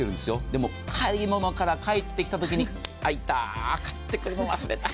でも買い物から帰ってきたときにあいた買ってくるの忘れた。